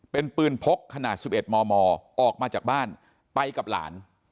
เป็นปืนพกขนาด๑๑มมออกมาจากบ้านไปกับหลาน